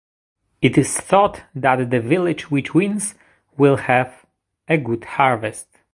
It is thought that the village which wins will have a good harvest.